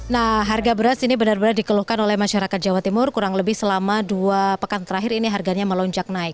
nah harga beras ini benar benar dikeluhkan oleh masyarakat jawa timur kurang lebih selama dua pekan terakhir ini harganya melonjak naik